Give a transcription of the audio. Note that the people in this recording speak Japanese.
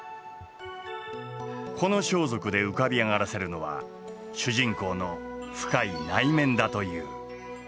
この装束で浮かび上がらせるのは主人公の深い内面だという。